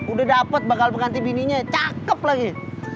udah dapet bakal pengantin bininya cakep lagi